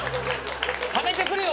ためてくれよ